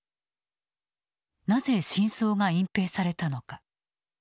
なぜ真相が隠蔽されたのか。